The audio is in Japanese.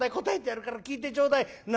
答えてやるから聞いてちょうだい」。